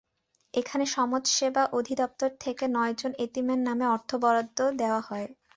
এখানে সমাজসেবা অধিদপ্তর থেকে নয়জন এতিমের নামে অর্থ বরাদ্দ দেওয়া হয়।